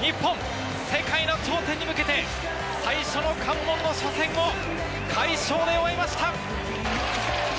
日本世界の頂点に向けて最初の関門の初戦を快勝で終えました！